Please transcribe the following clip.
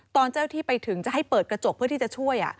ตอนเจ้าที่ไปถึงจะให้เปิดกระจกเพื่อที่จะช่วย